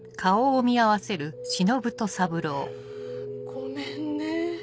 ごめんね。